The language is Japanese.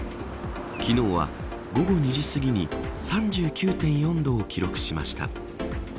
昨日は午後２時過ぎに３９．４度を記録しました。